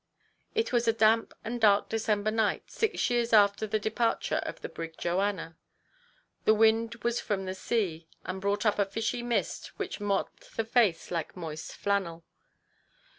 It was a damp and dark December night, six years after the departure of the brig Joanna. The wind was from the sea, and brought up a fishy mist which mopped the face like moist flannel.